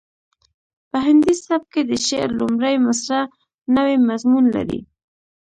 په هندي سبک کې د شعر لومړۍ مسره نوی مضمون لري